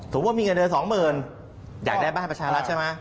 ว่ามีเงินเดือนสองหมื่นอยากได้บ้านประชารัฐใช่ไหม